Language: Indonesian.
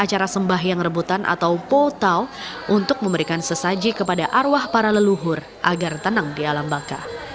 acara sembah yang rebutan atau potau untuk memberikan sesaji kepada arwah para leluhur agar tenang di alam baka